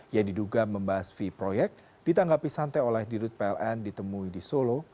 yang diduga membahas fee proyek ditanggapi santai oleh dirut pln ditemui di solo